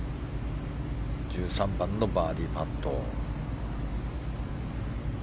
１３番のバーディーパット。